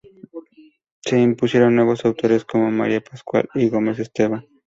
Se impusieron nuevos autores como María Pascual y Gómez Esteban.